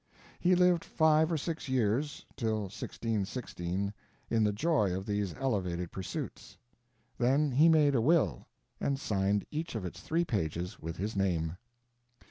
He lived five or six years—till 1616—in the joy of these elevated pursuits. Then he made a will, and signed each of its three pages with his name.